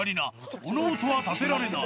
物音は立てられない。